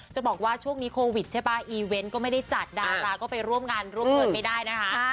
จะบอกว่าช่วงนี้โควิดใช่ป่ะอีเวนต์ก็ไม่ได้จัดดาราก็ไปร่วมงานร่วมเงินไม่ได้นะคะ